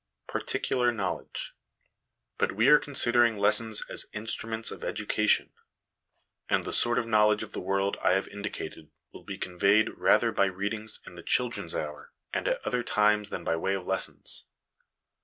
Particular Knowledge. But we are considering lessons as ' Instruments of Education '; and the sort of knowledge of the world I have indicated will be conveyed rather by readings in the * Children's Hour ' and at other times than by way of lessons.